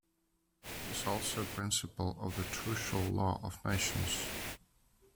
It is also a principle of the trucial law of nations.